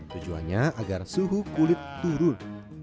tujuannya agar suhu kulit turun